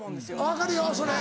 分かるよそれ。